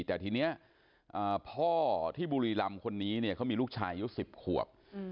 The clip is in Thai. แต่ทีนี้พ่อที่บุรีรำคนนี้เนี่ยเขามีลูกชายอายุ๑๐ขวบ